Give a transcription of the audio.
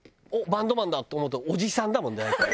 バンドマンだって思うとおじさんだもん大体。